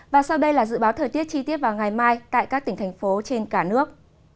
và sau đây là dự báo thời tiết chi tiết vào ngày mai tại các tỉnh thành phố trên cả nước